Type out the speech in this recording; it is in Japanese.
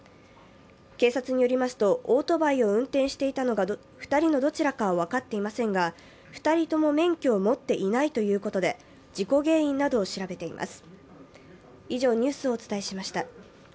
警察によりますと、オートバイを運転していたのが２人のどちらかは分かっていませんが２人とも免許を持っていないということで、事故原因などを調べています。